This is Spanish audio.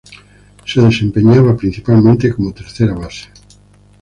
Se desempeñaba principalmente como tercera base.